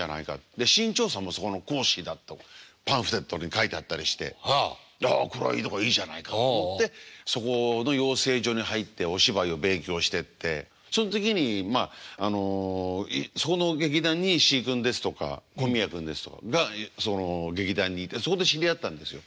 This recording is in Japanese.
で志ん朝さんもそこの講師だとパンフレットに書いてあったりしてあっこれはいいとこいいじゃないかっていってそこの養成所に入ってお芝居を勉強してってそん時にそこの劇団に石井君ですとか小宮君ですとかがその劇団にいてそこで知り合ったんですよ。